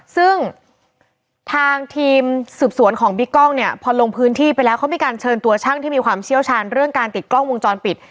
ซึ่งทางทีมสืบสวนของบิ๊กกล้องเนี่ยพอลงพื้นที่ไปแล้วเขามีการเชิญตัวช่างที่มีความเชี่ยวชาญเรื่องการติดกล้องวงจรปิด